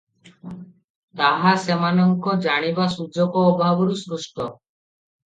ତାହା ସେମାନଙ୍କ ଜାଣିବା ସୁଯୋଗ ଅଭାବରୁ ସୃଷ୍ଟ ।